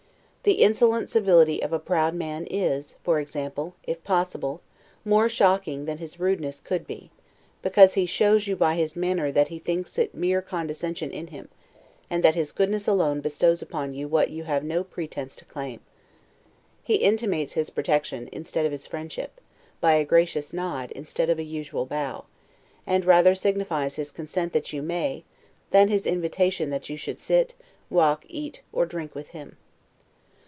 The insolent civility of a proud man is (for example) if possible, more shocking than his rudeness could be; because he shows you by his manner that he thinks it mere condescension in him; and that his goodness alone bestows upon you what you have no pretense to claim. He intimates his protection, instead of his friendship, by a gracious nod, instead of a usual bow; and rather signifies his consent that you may, than his invitation that you should sit, walk, eat, or drink with him.